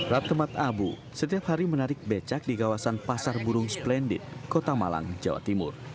raptemat abu setiap hari menarik becak di kawasan pasar burung splended kota malang jawa timur